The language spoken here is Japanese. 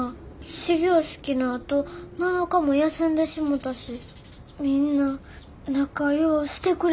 始業式のあと７日も休んでしもたしみんな仲良うしてくれるやろか。